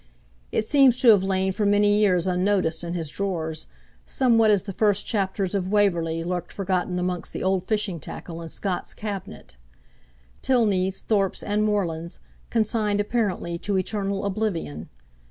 It seems to have lain for many years unnoticed in his drawers; somewhat as the first chapters of 'Waverley' lurked forgotten amongst the old fishing tackle in Scott's cabinet. Tilneys, Thorpes, and Morlands consigned apparently to eternal oblivion!